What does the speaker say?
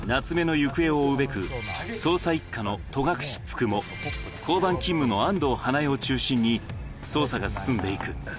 夏目の行方を追うべく、捜査一課の戸隠九十九、交番勤務の安藤花恵を中心に捜査が進んでいく。